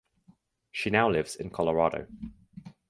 She now lives in Colorado.